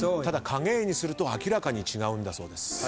ただ影絵にすると明らかに違うんだそうです。